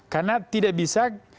karena tidak bisa